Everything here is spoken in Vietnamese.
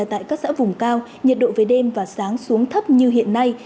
tầng cao nhiệt độ về đêm và sáng xuống thấp như hiện nay